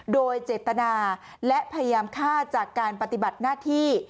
โดยเจตนาและพยายามฆ่าจากการปฏิบัติหน้าที่